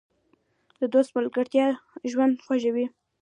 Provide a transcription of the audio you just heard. د دوست ملګرتیا ژوند خوږوي.